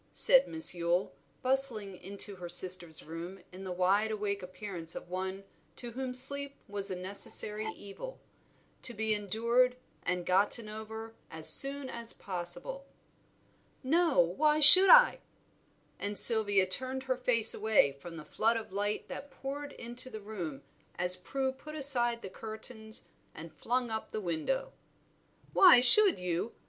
said Miss Yule, bustling into her sister's room with the wide awake appearance of one to whom sleep was a necessary evil, to be endured and gotten over as soon as possible. "No, why should I?" And Sylvia turned her face away from the flood of light that poured into the room as Prue put aside the curtains and flung up the window. "Why should you?